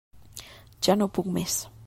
Ja no puc més.